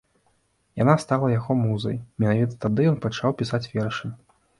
Яна стала яго музай, менавіта тады ён пачаў пісаць вершы.